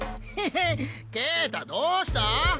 ヘヘケータどうした？